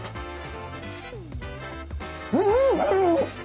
うん！